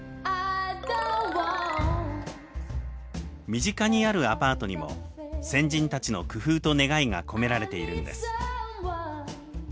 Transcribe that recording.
身近にあるアパートにも先人たちの工夫と願いが込められているんです。